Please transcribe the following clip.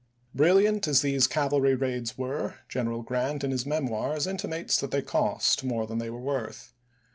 Brilliant as these cavalry raids were, General Grant in his "Memoirs" intimates that they cost more than they were worth.